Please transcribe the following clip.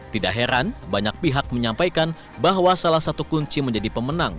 tidak heran banyak pihak menyampaikan bahwa salah satu kunci menjadi pemenang